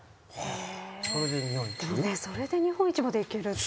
それで日本一までいけるって。